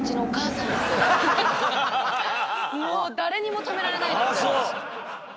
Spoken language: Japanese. もう誰にも止められないです。